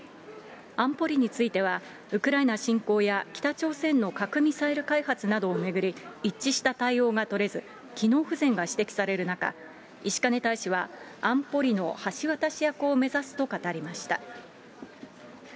安保理については、ウクライナ侵攻や北朝鮮の核ミサイル開発などを巡り一致した対応が取れず、機能不全が指摘される中、石兼大使は安保理の橋渡し役を目指すと語りました。